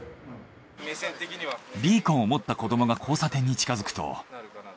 ビーコンを持った子どもが交差点に近づくと。